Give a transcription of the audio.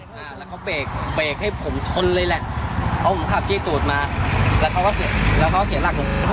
อ่าแล้วเขาเบกเบกให้ผมชนเลยแหละเขาขับที่ตูดมาแล้วเขาเขาเสียแล้วเขาเสียหลักหนู